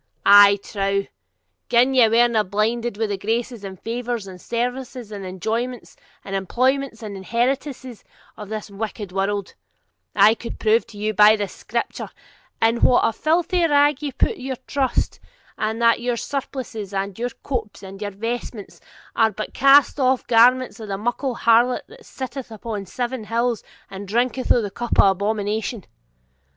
I trow, gin ye werena blinded wi' the graces and favours, and services and enjoyments, and employments and inheritances, of this wicked world, I could prove to you, by the Scripture, in what a filthy rag ye put your trust; and that your surplices, and your copes and vestments, are but cast off garments of the muckle harlot that sitteth upon seven hills and drinketh of the cup of abomination.